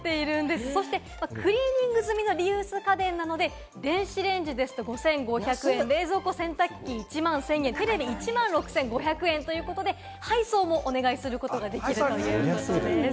そして、クリーニング済みのリユース家電なので、電子レンジですと５５００円、冷蔵庫、洗濯機１万１０００円、テレビ１万６５００円、配送もお願いすることができます。